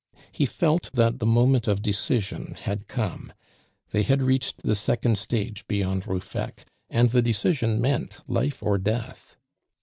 He felt that the moment of decision had come; they had reached the second stage beyond Ruffec, and the decision meant life or death.